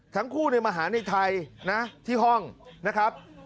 ทั้งคู่มาหาในไทยนะที่ห้องนะครับ